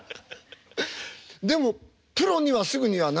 でもプロにはすぐにはならない。